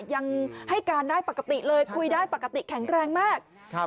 ยังให้การได้ปกติเลยคุยได้ปกติแข็งแรงมาก